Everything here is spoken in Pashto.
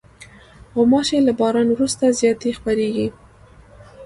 غوماشې له باران وروسته زیاتې خپرېږي.